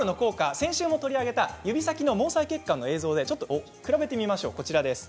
先週も取り上げた指先の毛細血管の映像で比べてみましょう。